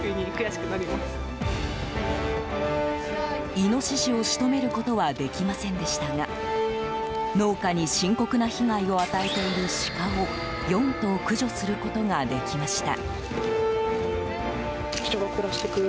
イノシシを仕留めることはできませんでしたが農家に深刻な被害を与えているシカを４頭駆除することができました。